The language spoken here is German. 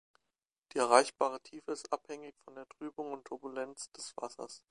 Die erreichbare Tiefe ist abhängig von der Trübung und Turbulenz des Wassers.